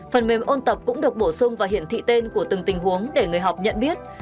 phần mềm ôn tập cũng được bổ sung và hiển thị tên của từng tình huống để người học nhận biết